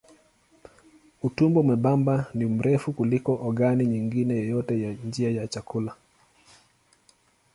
Utumbo mwembamba ni mrefu kuliko ogani nyingine yoyote ya njia ya chakula.